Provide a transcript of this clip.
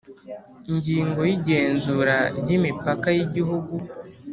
Ingingo yigenzura ry imipaka yigihugu